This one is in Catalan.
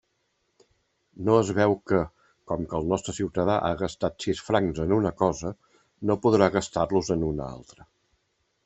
No es veu que, com que el nostre ciutadà ha gastat sis francs en una cosa, no podrà gastar-los en una altra.